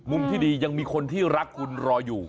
ที่ดียังมีคนที่รักคุณรออยู่